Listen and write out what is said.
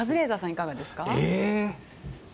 いかがですか？